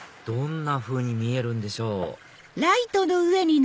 どんなふうに見えるんでしょう